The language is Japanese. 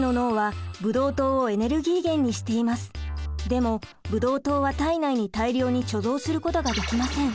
でもブドウ糖は体内に大量に貯蔵することができません。